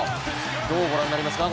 どうご覧になりますか？